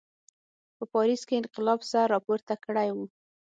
په پاریس کې انقلاب سر راپورته کړی و.